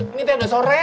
ini teh udah sore